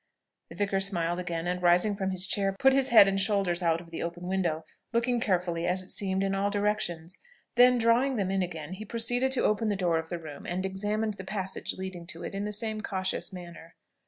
The vicar smiled again, and rising from his chair, put his head and shoulders out of the open window, looking carefully, as it seemed, in all directions; then, drawing them in again, he proceeded to open the door of the room, and examined the passage leading to it in the same cautious manner.